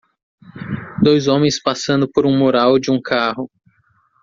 Dois homens passando por um mural de um carro.